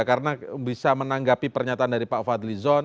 karena bisa menanggapi pernyataan dari pak fadli zon